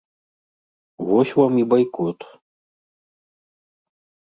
Вось вам і байкот.